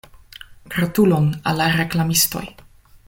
Gratulon al la reklamistoj.